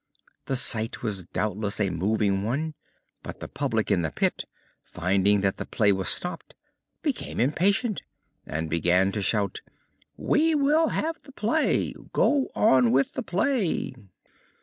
The sight was doubtless a moving one, but the public in the pit, finding that the play was stopped, became impatient and began to shout: "We will have the play go on with the play!"